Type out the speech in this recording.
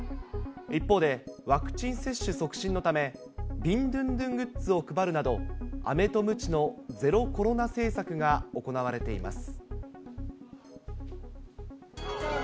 一方で、ワクチン接種促進のため、ビンドゥンドゥングッズを配るなど、あめとむちのゼロコロナ政策が行われています。